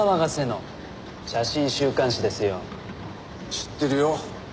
知ってるよ。